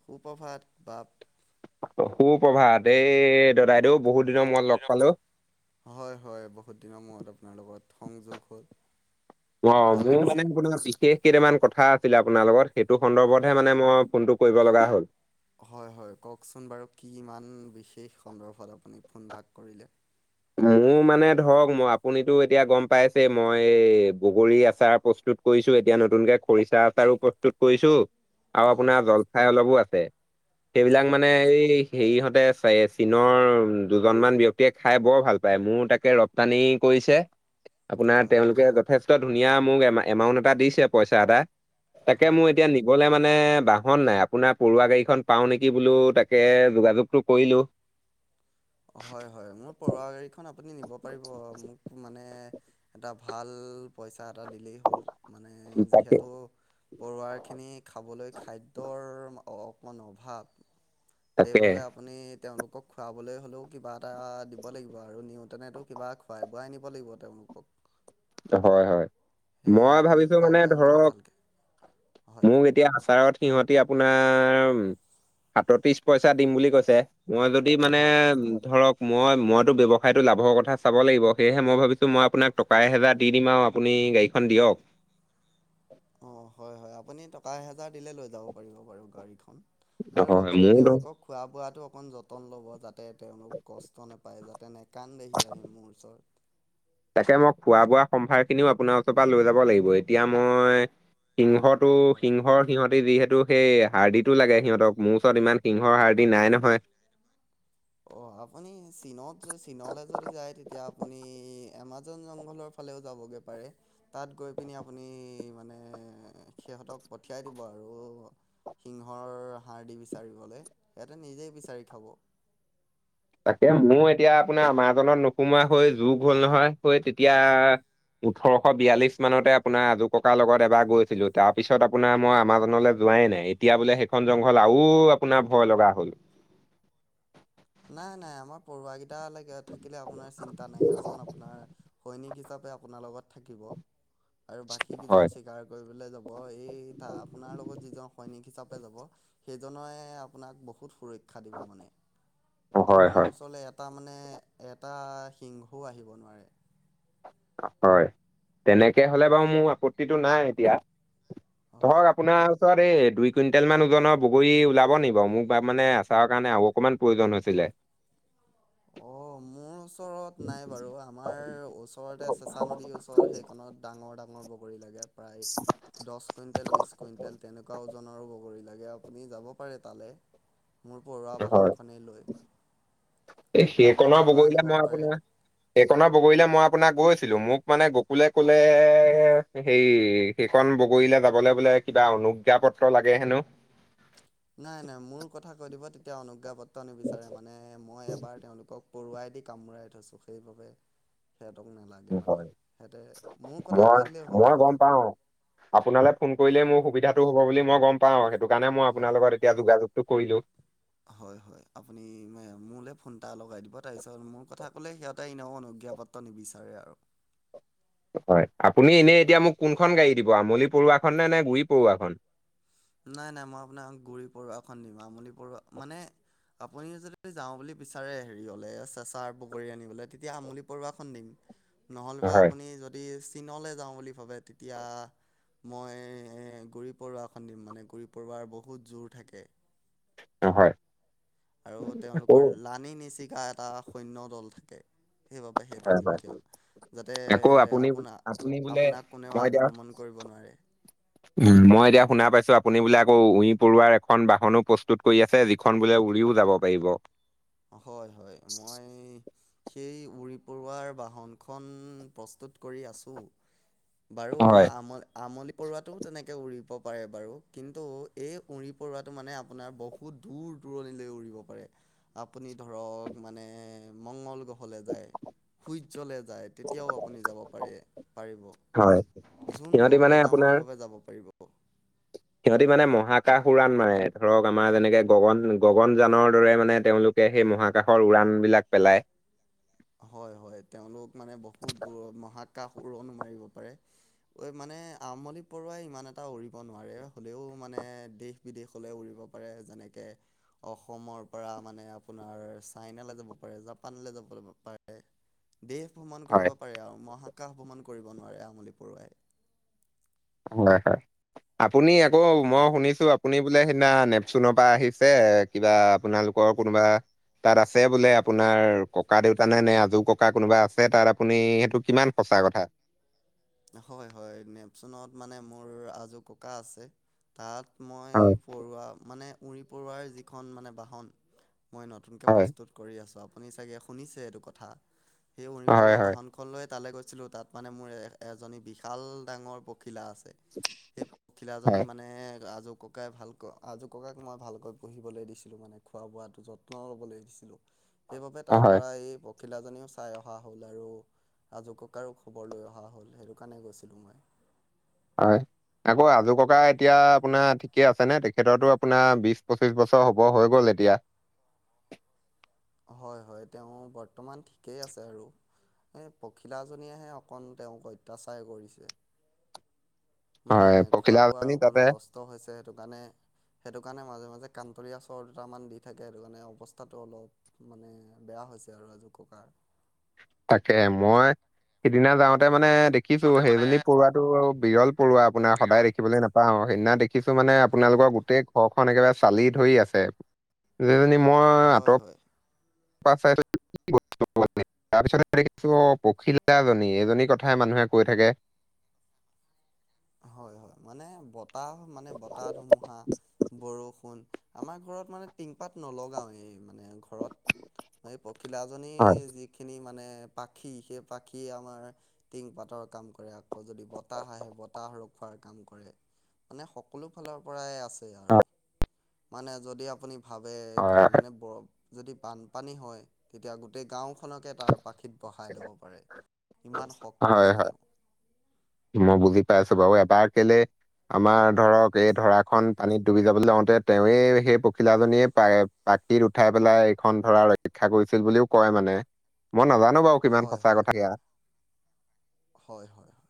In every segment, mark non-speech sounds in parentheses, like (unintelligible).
সুপ্ৰভাত বাপ। অ' সু প্ৰভাত এই দাদাইদেউ। বহুত দিনত হয়, হয়, বহুত দিনৰ মূৰত আপোনাৰ লগত। সংযোগ হ'ল। অ' ভাল মোৰ লাগিছে মানে কোনোবা বিশেষ কেইটামান কথা আছিলে আপোনাৰ লগত। সেইটো সন্দৰ্ভতহে মানে মই ফোনটো কৰিব লগা হ'ল। হয়, হয়, ক'ক চোন বাৰু কি ইমান বিশেষ সন্দৰ্ভত ফোন এটা কৰিলে। মোৰ মানে ধৰক মই আপুনিতো এতিয়া গ'ম পাইছেই মই বগৰী আচাৰ প্ৰস্তুত কৰি কৰিছো, এতিয়া নতুনকে খৰিচা আচাৰো প্ৰস্তুত কৰিছো। আৰু হয় আপোনাৰ হয় জলফাই অলপো আছে, সেইবিলাক হয় মানে এই হেৰিহঁত চীনৰ দুজনমান ব্যয়ক্তিয়ে খাই বৰ ভাল পায়, মোৰ তাকে ৰপ্তানি কৰিছে, আপোনাৰ হয় হয় তেওঁলোকে যথেষ্ট। ধুনীয়া মোক এ এমাউন্ট এটা দিছে পইচা এটা তাকে হয় মোৰ এতিয়া নিবলে মানে। মানে বাহন নাই আপোনাৰ পৰুৱা গাড়ীখন পাওঁ নেকি বোলো তাকে যোগাযোগতটো কৰিলো। (inaudible) হয়, হয়, মোৰ পৰুৱা গাড়ীখন আপুনি নিব পাৰিব মোক মানে। এটা ভাল পইচা এটা দিলেই হ'ল মানে তাকে যিহেতু। পৰুৱাৰ খিনি খাবলৈ খাদ্যৰ অ' সন্থাক তাকে সেইবাবে আপুনি তেওঁলোকক খুৱাবলৈ হ'লেও কিবা এটা দিব লাগিব আৰু নিওঁতেনেতো কিবা খুৱাই বোৱাই নিব লাগিব তেওঁলোকক। হয়, হয়। সেই মই আপুনি ভাবিছো খুৱাই মানে বোৱাই ধৰক ভালকৈ হয় মোক এতিয়া মোৰ আচাৰত সিহঁতি আপোনাৰ সাতত্ৰিশ পইচা দিম বুলি কৈছে। মই যদি মানে হয় ধৰক মই মইতো ব্যৱসায়টো লাভৰ কথা চাব লাগিব সেয়েহে মই ভাবিছো মইপোন টকা এহেজাৰ দি দিম আৰু আপুনি গাড়ীখন দিয়ক। অ' হয়, হয়, আপুনি টকা এ হেজাৰ দিলে লৈ যাব পাৰিব বাৰু গাড়ীখন। আৰু হয় লগতে মোৰ ধৰ তেওঁলোকক খোৱা বোৱাতো অকন যতন ল'ব যাতে তেওঁলোক কষ্ট নেপায় যাতে। নেকান্দহি আহি মোৰ ওচৰত। তাকে মোক খোৱা বোৱা সম্ভাৰ খিনিও আপোনাৰ ওচৰ পৰা লৈ যাব লাগিব এতিয়া মই। সিংহটো হয় সিংহৰ সিহঁত। আপুনি যিহেতু সেই হাৰ্ডিটো লাগে সিহঁতক মোৰ ওচৰত ইমান সিংহৰ হাৰ্ডি নাই নহয়। অ' আপুনি চীনত চীনলৈ যদি যায় তেতিয়া আপুনি এমাজন জংঘলৰ ফালেও যাবগৈ পাৰে তাত গৈ পিনি আপুনি মানে সিহঁতক পঠিয়াই দিব আৰু। (inaudible) সিংহৰ হাৰ্ডি বিচাৰিবলৈ সিহঁতে নিজেই বিচাৰি খাব। তাকে মোৰ এতিয়া আপোনাৰ আমাজনত নোসোমোৱা হৈ যোগ হ'ল নহয় হৈ তেতিয়া। ওঠৰশ বিয়াল্লিশ মানতে আপোনাৰ আজো ককাৰ লগত এবাৰ গৈছিলো। তাৰ পিছত আপোনাৰ মই এমাজনলৈ যোৱাই নাই, এতিয়া বোলে সেইখন জংঘল আৰু আপোনাৰ ভয় লগা হ'ল। নাই নাই আমাৰ পৰুৱা কেইটাল থাকিলে আপোনাৰ চিন্তা নাই এজন আপোনাৰ সৈনিক হিচাপে আপোনাৰ লগত থাকিব। আৰু বাকী হয় কেইজন স্বীকাৰ কৰিবলৈ যাব, এইা আপোনাৰ লগত যিজন সৈনিক হিচাপে সেইজনে আপোনাক বহুত সুৰক্ষা দিব মানে। হয় আপোনাৰ হয় ওচৰলৈ এটা মানে এটা সিংহও আহিব নোৱাৰে। হয়, তেনেকে হ'লে বাৰু মোৰ আপত্তিটো নাই এতিয়া। হয়। ধৰক আপোনাৰ। তোৱাৰ এই দুই কুইণ্টেল মান ওজনৰ বগৰী ওলাব নিকি বাৰু মোক মানে আচাৰৰ কাৰণে আৰু অকণমান প্ৰয়োজন হৈছিলে। (inaudible) অ' মোৰ ওচৰত নাই বাৰু আমাৰ ওচৰত। ওচৰতে চেঁচা নদীৰ ওচৰ সেইখনত ডাঙৰ ডাঙৰ বগৰী লাগে। প্ৰায় দহ কুইণ্টেল, বিশ কুইণ্টেল তেনেকুৱা ওজনৰো বগৰী লাগে। হে আপুনি যাব পাৰে তালে মোৰ পৰুৱা বাহনখনি লৈ। আপুনি সেইকনৰ তাৰপৰা বগৰীলো আনিব মই পাৰে আপোনাৰ সেইকণনৰ বগৰীলে মই আ্ আপোনাক গৈছিলোঁ, মোক মানে গকুলে কলে হেৰি সেইখন বগৰীলৈ যাবলৈ বোলে- কিবা অনুজ্ঞাাপত্ৰ লাগে হেনো। নাই নাই মোৰ কথা কৈ দিব তেতিয়া অনুজ্ঞাাপত্ৰ। নিবিচাৰে মানে মই এবাৰ তেওঁলোকক পৰুৱাই দি কামোৰাই থৈছো। সেইবাবে- সিহঁতক নালাগে মানে হয়, সিহঁতে মোৰ কথা কৈ দিলেই হ'ল আপুনি। আপোনালৈ ফোন হয় কৰিলেই মোৰ সুবিধাটো হব বুলি- মই গম পাওঁ, সেইটো কাৰণে মই হয় আপোনাৰ হয় লগত এতিয়া যোগাযোগতটো কৰিলোঁ। হয় হয় আপুনি মে- মোলৈ ফোন এটা লগাই অনুজ্ঞাপত্ৰ নিবিচাৰে আৰু। হয় আপুনি এনেই এতিয়া মোক কোনখন গাড়ী দিব আমলি পৰুৱাখননে নে গুৰি পৰুৱাখন। নাই নাই মই আপোনাক গুৰি পৰুৱাখন দিম, আমলি পৰুৱা মানে- আপুনি যদিদি যাওঁ বুলি বিচাৰে হেৰি হ'লে চেঁচা বগৰী আনিবলৈ তেতিয়া আমুলি পৰুৱাখন দিম। নহ'লেবা হয়, আপুনি যদি ইচ্। চীনলৈ যাওঁ বুলি ভাবে তেতিয়া মই গুৰি পৰুৱা। মানে গুৰি পৰুৱাৰ বহুত জোৰ থাকে। অঁ, হয়। আৰু আকৌ তেওঁলোকৰ লানি নিচিকা এটা সৈন্য দল থাকে। সেইবাবে সেইটো হয়, দি হয়। পঠিয়াম যাতে আকৌ আপুনি আপুনি আপোনাক বোলে আপোনাক কোনেও মই এতিয়া আক্ৰমণ কৰিব- অঁ নোৱাৰে। উম, মই এতিয়া শুনা পাইছো আপুনি বোলে আকৌ উই- পৰুৱাৰ এখন বাহনো প্ৰস্তুত কৰি আছে, যিখন বোলে উৰিও যাব পাৰিব। হয়, হয় মই সেই উৰি পৰুৱাৰ বাহনখন প্ৰস্তু- কৰি আছো (unintelligible) বাৰু হয় আমল আমলি পৰুৱাতটোও তেনেকে উৰিব- পাৰে বাৰু। কিন্তু এই উৰি পৰুৱাটো মানে আপোনাৰ বহুত দূৰ দূৰণিলৈ উৰিব পাৰে। আপুনি ধৰক মানে মংগল গ্ৰহ- ক'লে যায় সূৰ্যলে যায় তেতিয়াও আপুনি যাব পাৰে পাৰিব। হয় যোন সিহঁতি মানে গ্ৰহলে যাওঁ বুলি আপোনাৰ ভাবে যাব পাৰিব। সিহঁতি মানে মহাকাশ শুৰাণ মাৰে ধৰক আমাৰ যেনেকে গগন গগন যানৰ দৰে মানে তেওঁলোক। একে সেই মহাকাশৰ উৰাণ বিলাক পেলাই হয় হয় তেওঁলোক মানে বহুত দূৰ মহাকাশ উৰণ মাৰিব পাৰে ঐ মানে আমলি বৰুৱাই ইমান এটা উৰিব নোৱাৰে, হলেও মানে দেশ বিদেশলে উৰিব- কৰে যেনেকে, অসমৰ পৰা মানে আপোনাৰ চাইনালৈ যাব পাৰে জাপানলৈ যাব লাগিব। দেশ ভ্ৰমণ হয় কৰিব পাৰে আৰু মহাকাশ ভ্ৰমণ। কৰিব নোৱাৰে আমলি পৰুৱাই। হহ এটা আপুনি আকৌ মই শুনিছোঁ, আপুনি বোলে সিদিনা নেপচুনৰ পৰা আহিছে, কিবা আপোনালোক- কৰ কোনোবা। তাত আছে বোলে আপোনাৰ ককা দেউতা নে আজৌ ককা কোনোবা আছে, তাত আপুনি সেইটো কিমান - সঁচা কথা। হয় হয় নেপচনত মানে মোৰ আজু ককা আছে। তাত মই হয়, পৰুৱা মানে উই পৰুৱাৰ যিখন মানে বাহন- মই নতুনকৈ হয়, প্ৰস্তুত কৰি আছোঁ আপুনি চাগে শুনিছে এইটো কথা। সেই উৰি হয়, পৰুৱা হয়, বাহনখন লৈয়ে তালৈ গৈছিলো তাত মানে মোৰ এ এজনী বিশাল ডাঙৰ পখিলা আছে। সেই খিলাজনী হয়, মানে আজোক। ককাই ভালকৈ, আজু ককাইক মই ভালকৈ বহিবলৈ দিছিলোঁ মানে খোৱা বোৱাটো যত্ন ল'বলৈ দিছিলোঁ। সেইবাবে অ, হয়, তাৰপৰা এই অখিলাজনীও চাই অহা হ'ল আৰু আজুককাৰো খবৰ লৈ অহা হ'ল। সেইটো কাৰণে গৈছিলোঁ মই। হয়। আকৌ আজু ককা এতিয়া আপোনাৰ ঠিকে আছেনে? তেখেৰতো আপোনাৰ বিশ পঁচিশ বছৰ হ'ব হৈ গ'ল এতিয়া। (unintelligible) হয়, হয়। তেওঁ বৰ্তমান ঠিকেই আছে আৰু। এই পখিলাজনীয়েহে অকন তেওঁক অত্যাচাৰ কৰিছে। মানে হয়, খোৱা পখিলা বোৱাৰ আজনী অকণো তাতে কষ্ট হৈছে। সেইটো কাৰণে, সেইটো কাৰণে মাজে-মাজে কানতলীয়া চৰ দুটামান দি থাকে, সেইটো কাৰণে অৱস্থাটো অলপ মানে বেয়া হৈছে আৰু আজু ককাৰ। (inaudible) তাকে মই সিদিনা যাওঁতে মানে দেখিছোঁ, মতে মানে সেইজনী পৰুৱাতটো বিৰল পৰুৱা আপোনাৰ বিৰল সদায় দেখিবলৈ নাপাওঁ। সেইদিনা দেখিছোঁ মানে হয় আপোনালোকৰ গোটেই ঘৰ ঘৰখন একেবাৰে চালি ধৰি আছে, (unintelligible) মই হয় হয় আঁত হয় পাছ (unintelligible) তাৰপিছত দেখিছোঁ পখিলাজনী, এইজনীৰ কথায়ে মানুহে কৈ থাকে। (inaudible) হয়, হয়। মানে বতাহ মানে বতাহ ধুমুহা বৰষুণ আমাৰ ঘৰত মানে টিং পাত নলগাওঁ এই মানে। ঘৰত এই পখিলাজনী হয়, যিখিনি মানে পাখি সেই পাখিয়ে আমাৰ টিং পাতৰ কাম কৰে আকৌ যদি বতাহ আহে, বতাহ তাহ ৰখোৱাৰ কাম কৰে, মানে সকলো ফালৰ পৰাই আছে আৰু। মানে যদি আপুনি ভাৱে হয়, মানে বৰফ, যদি বানপানী হয় তেতিয়া গোটেই গাঁওখন গাওঁখনকে তাৰ পাখিত বহাই ল'ব পাৰে। ইমান শক্তি হয়, আছে হয়। তেওঁ মই বুজি পাইছোঁ বাৰু এবাৰ কেলে আমাৰ ধৰক এই ধৰাখন পানীত ডুবি যাবলৈ লাওঁতে, তেৱেই সেই পখিলাাজনীয়ে পাৰে চাকিত উঠাই পেলাই এইখন ধৰা ৰক্ষা কৰিছিল বুলিওঁ কয় মানে। মই নাজানোঁ বাৰু কিমান হয় সঁচা কথা সেয়া। হয়, হয়, হয়।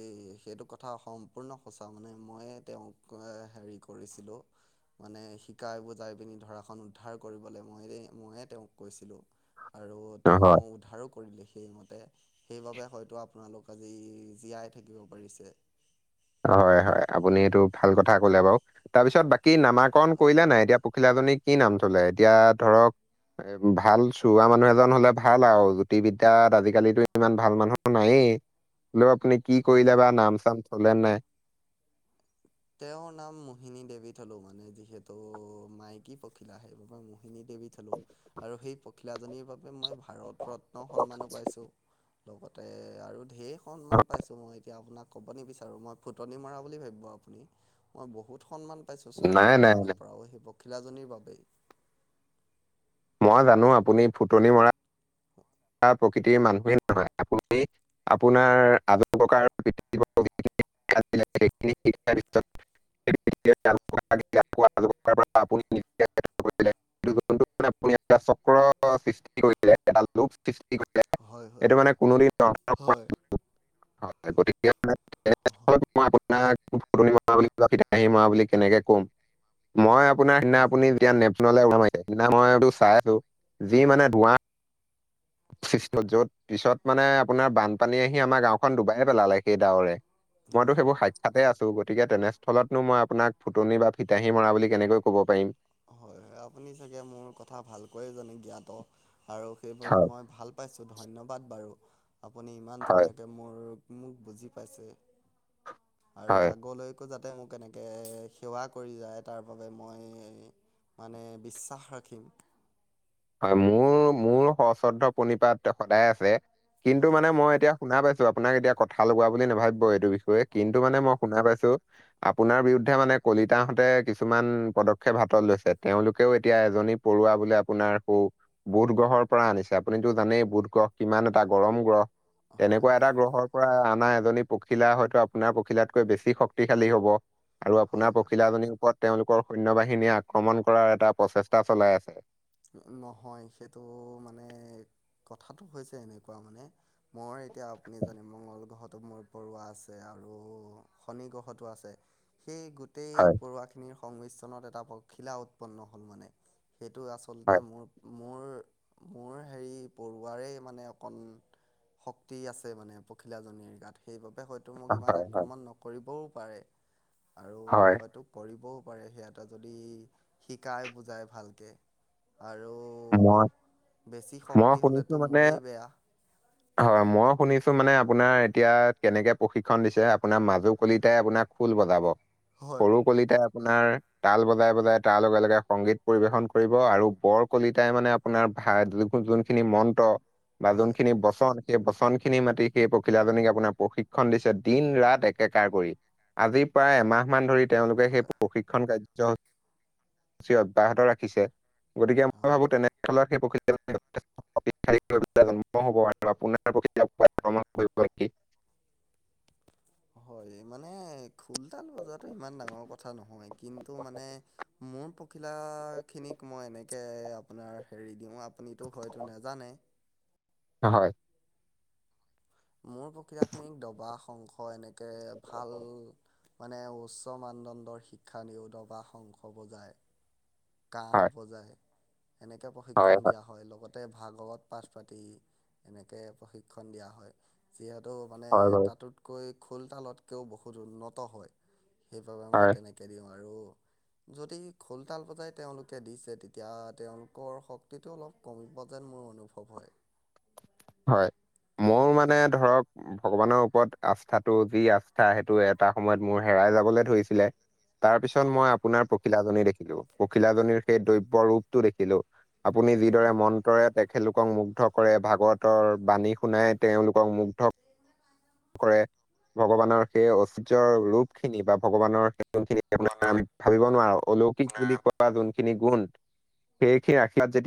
এ সেইটো কথা সম্পূৰ্ণ সঁচা, মানে মইয়ে তেওঁক হেৰি কৰিছিলোঁ। মানে শিকাই বুজাই পিনি ধৰাখন উদ্ধাৰ কৰিবলৈ মই মইয়ে তেওঁক কৈছিলোঁ। আৰু তেওঁ হয় উদ্ধাৰো কৰিলে, সেইমতে সেইবাবে হয়তো আপ আপোনালোক আজি জীয়াই থাকিব পাৰিছে। হয়, হয়। আপুনি এইটো ভাল কথা কলে বাৰু। তাৰপিছত বাকী নামাকৰণ হয় কৰিলে নে নাই এতিয়া পখিলা পখিলাজনীৰ কি নাম থ'লে? এতিয়া ধৰক এ ভাল চোৱা মানুহ এজন হ'লে ভাল আৰু জ্যোতি বিদ্যাত আজিকালিতো ইমান ভাল মানুহ নাইয়ে। সি হ'লে আপুনি কি কৰিলে হয় বা নাম-চাম থ'লে নে নাই। তেওঁৰ নাম মোহিনী দেৱী থলো মানে যিহেতু মাইকী পখিলা সেইবাবে। মোহিনী দেৱী থালো আৰু সেই পখিলাজনীৰ বাবে মই ভাৰত ৰত্ন সন্মানো পাইছোঁ। লগতে আৰু ধেৰ সন্মান পাইছোঁ মই এতিয়া আপোনাক ক'ব নিবিচাৰোঁ, মই ফুটনি মৰা বুলি ভাবিব আপুনি। মই বহুত সন্মান পাইছোঁ নাই চৰকাৰৰ নাই ফালৰ পৰাওঁ। সেই পখিলাজনীৰ বাবেৱেই। মই জানোঁ আপুনি ফুটনি মৰা প্ৰকৃতিৰ মানুহেই নহয়, আপুনি আপোনাৰ আজু ককাৰ (unintelligible) (unintelligible) (unintelligible) আপুনি (unintelligible) জীৱনটোত মানে আপুনি এটা চক্ৰৰ সৃষ্টি কৰিলে এডাল। (unintelligible) সৃষ্টি কৰে হয় হয় এইটো মানে কোনো দিন হয় (unintelligible) হয় গতিকে মই আপোনাক ফুটনি মতৰা বুলি বা ফিতাহি মৰা বুলি কেনেকে ক কম মই আপো আপোনাৰ সিদিনা হয় হয় আপুনি হয় যেতিয়া নেপচনলে উৰা মাৰিলে সিদিনা মইটো চাই আছো যি হয় মানে ধুৱা য'ত পিছত মানে আপোনাৰ বানপানী আহি আমাৰ গাঁওখন ডুবাই পেলালে সেই ডাৱৰে। হয় মইতো হয়। সেইবোৰ সাক্ষাতে আ ছো গতিকে তেনেস্থলতনো মই আপোনাক ফুটনি বা ফিতাহী মৰা বুলি কেনেকৈ ক'ব পাৰিম? হয় হয় আপুনি চাগে মোৰ কথা ভালকৈয়ে জানে জ্ঞাত আৰু সেইবাবে হয় মই ভাল পাইছোঁ ধন্যবাদ বাৰু আপুনি ইমান হয় ধুনীয়াকৈ মোৰ মোক বুজি পাইছে আৰু হয়। আগলৈকো যা তে মোক এনেকে সেৱা কৰি যায় তাৰ বাবে মই মানে বিশ্বাস ৰাখিম। হয় মোৰ মোৰ সশ্ৰদ্ধ প্ৰণিপাত সদায় আছে কিন্তু হয় মানে মই এতিয়া শুনা পাইছো আপোনাক এতিয়া কথা লগোৱা বুলি নাভাবিব এইটো বিষয়ে হয় কিন্তু মানে হয় মই শুনা পাইছো আপোনাৰ বিৰু দ্ধে মানে কলিতাহঁতে কিছুমান পদক্ষেপ হাতত লৈছে তেওঁলোকেও এতিয়া এজনী পৰুৱা বোলে আপোনাৰ বু বুধ গ্ৰহৰ পৰা আনিছে আপুনিটো জানেই বুধ গ্ৰহ কিমান এটা গৰম গ্ৰহ হয় হয় তেনেকুৱা এটা গ্ৰহৰ পৰা আনা এজ জনী পখিলা হয়তো আপোনাৰ পখিলাতকৈ বেছি শক্তিশালী হ'ব আৰু হয় আপোনাৰ হয় পখিলাজনীৰ ওপৰত তেওঁলোকৰ সৈন্য বাহিনীয়ে আক্ৰমণ কৰাৰ এটা প্ৰচেষ্টা চলাই আছে। নহয় সেইটো মানে কথাটো হৈছে এনেকুৱা মানে মই এতিয়া আপুনি জানে মংগল গ্ৰহত মোৰ পৰুৱা আছে আ আৰু শনি গ্ৰহটো আছে। সেই গোটেই পৰুৱাখিনিৰ সংমিশ্ৰণত এটা পখিলা উৎপন্ন হ'ল মানে সেইটো হয় আচলতে মোৰ মোৰ (inaudible) হেৰি পৰুৱাৰে মানে অকন শক্তি আছে মানে পখিলাজনীৰ গাত সেইবাবে বাবে হয়তো মোক ইমান হয় হয় আক্ৰমণ নকৰিবও পাৰে আৰু হয় হয়তো কৰিবও পাৰে। সিঁহতে যদি শিকাই বুজাই ভালকে। মই বেছি মই শক্তি শুনিছো হ'লেতো মানে মোৰেই বেয়া। হয় মই শুনিছো ছো মানে আপোনাৰ এতিয়া কেনেকে প্ৰশিক্ষণ দিছে আপোনাৰ মাজু কলিতায়ে আপোনাৰ খোল বজাব, হয়, সৰু কলিতায়ে আপ আপোনাৰ তাল বজাই বজাই তাৰ লগে লগে সংগীত পৰিবেশন কৰিব আৰু বৰ কলিতাই মানে আপোনাৰ ভা যোনখিনি মন্ত্ৰ বা হয়, যোনখিনি বচন সেই বচন খিনি মাতি সেই পখিলাজনীক আপোনাৰ প্ৰশিক্ষণ দিছে দিন ৰাত একেকাৰ কৰি। আজি প্ৰায় এমাহমান ধৰি তেওঁলোকে সেই হয়, হয়। প্ৰশিক্ষণ কাৰ্য সি অব্যাহত ৰাখিছে গতিকে মই হয়, ভাবো তেনে ফলত সেই পখিলাজনী (unintelligible) (unintelligible) (inaudible) হয় মানে খোল, তাল বজোৱাটো ইমান ডাঙৰ কথা নহয় কিন্তু মানে মোৰ পখিলাখিনিক মই এনেকে আপোনাৰ হেৰি দিও আপুনিতো হয়টো নেজানে হয়। মোৰ প্ৰক্ৰিয়াখিনি দবা, শংখ এনেকে ভাল মানে উচ্চ মানদণ্ডৰ শিক্ষা নিৰোধ বা শংখ বজায় কাঁহ হয়, বজায় এনেকে প্ৰশিক্ষণ দিয়া হয় লগতে তাতে ভাগৱত পাঠ পাতি এনেকে প্ৰশিক্ষণ দিয়া হয়। যিহেতু মানে হয় বাৰু, তাতোতকৈ খোল তালতকৈও বহুত উন্নত হয়। সেইবাবে মই হয়, তেনেকে দিওঁ আৰু যদি খোল, তাল বজাই তেওঁলোকে দিছে তেতিয়া তেওঁলোকৰ শক্তিটো অলপ কমিব যেন মোৰ অনুভৱ হয়। হয়। মোৰ মানে ধৰক ভগৱানৰ ওপৰত আস্থাটো যি আস্থা সেইটো এটা সময়ত মোৰ হেৰা ই যাবলে ধৰিছিলে। তাৰ পিছত মই হয় আপোনাৰ পখিলাজনী দেখিলো, পখিলাজনীৰ সেই দ্ৰব্য ৰূপটো দেখিলো। আপুনি যিদৰে হয় হয় মন্ত্ৰৰে তেখেতলোকক মুগ্ধ কৰে, ভাগত। বাণী শুনাই, তেওঁলোকক মুগ্ধ কৰে। হয় ভগৱানৰ সেই অষ্ট। সূৰ্যৰ ৰূপ খিনি বা ভগৱানৰ। যোনখিনি, আপোনাৰ ভগৱানৰ আমি ভাবিব নোৱাৰো, অলৌকিক বুলি আপোনাৰ কোৱা যোন। যোনখিনি গুণ, সেইখিনি আশাত যেতিয়া।